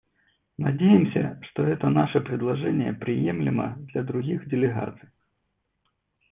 Надеемся, что это наше предложение приемлемо для других делегаций.